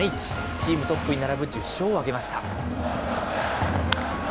チームトップに並ぶ１０勝を挙げました。